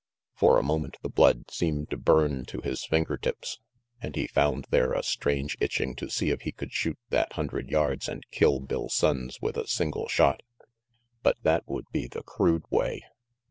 For a moment the blood seemed to burn 334 RANGY PETE to his finger tips, and he found there a strange itching to see if he could shoot that hundred yards and kill Bill Sonnes with a single shot. But that would be the crude way.